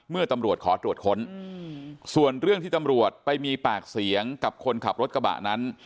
เมื่อตำรวจขอตรวจค้นส่วนเรื่องที่ตำรวจไปมีปากเสียงกับคนขับรถกระบะนั้น